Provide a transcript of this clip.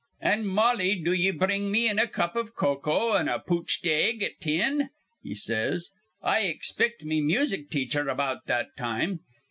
'An', Mollie, do ye bring me in a cup iv cocoa an' a pooched igg at tin,' he says. 'I ixpect me music teacher about that time.